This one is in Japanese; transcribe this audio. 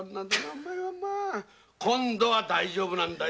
今度は大丈夫なんだ。